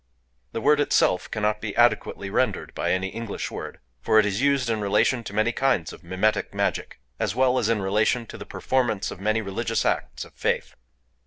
The word itself cannot be adequately rendered by any English word; for it is used in relation to many kinds of mimetic magic, as well as in relation to the performance of many religious acts of faith.